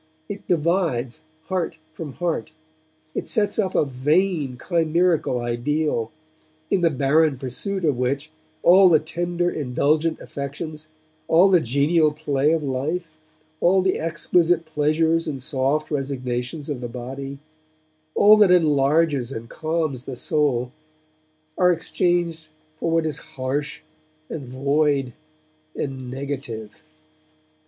It divides heart from heart. It sets up a vain, chimerical ideal, in the barren pursuit of which all the tender, indulgent affections, all the genial play of life, all the exquisite pleasures and soft resignations of the body, all that enlarges and calms the soul are exchanged for what is harsh and void and negative.